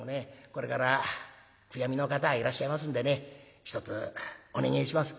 これから悔やみの方いらっしゃいますんでねひとつお願えします」。